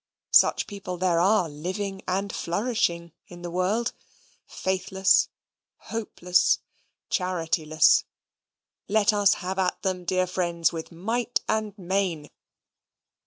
Such people there are living and flourishing in the world Faithless, Hopeless, Charityless: let us have at them, dear friends, with might and main.